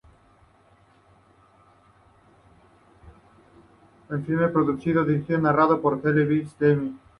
El filme fue producido, dirigido y narrado por Cecil B. DeMille.